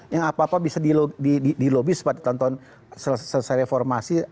yang apa apa bisa di lobis pada tahun tahun selesai reformasi